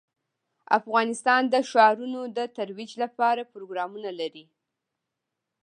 افغانستان د ښارونه د ترویج لپاره پروګرامونه لري.